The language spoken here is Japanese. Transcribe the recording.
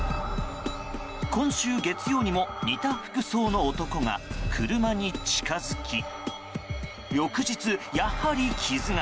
今週月曜にも似た服装の男が車に近づき翌日、やはり傷が。